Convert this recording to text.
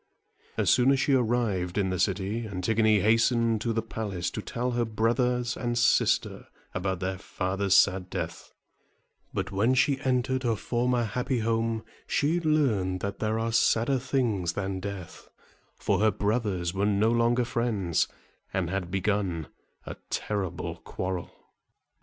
As soon as she arrived in the city, Antigone hastened to the palace to tell her brothers and sister about their father's sad death; but when she entered her former happy home, she learned that there are sadder things than death, for her brothers were no longer friends, and had begun a terrible quarrel.